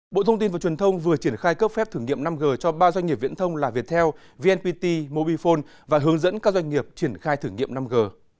bộ thông tin và truyền thông vừa triển khai cấp phép thử nghiệm năm g cho ba doanh nghiệp viễn thông là viettel vnpt mobifone và hướng dẫn các doanh nghiệp triển khai thử nghiệm năm g